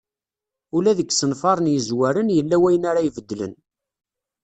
Ula deg isenfaren yezwaren yella wayen ara ibeddlen.